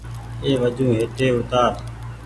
اي وجون هيٽي اوتآر ۔